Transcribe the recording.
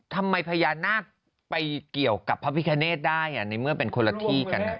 พญานาคไปเกี่ยวกับพระพิคเนตได้ในเมื่อเป็นคนละที่กัน